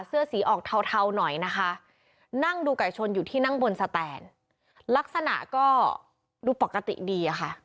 เสื้อสีออกเทาเทาหน่อยนะคะนั่งดูไก่ชนอยู่ที่นั่งบนสแตนลักษณะก็ดูปกติดีอะค่ะ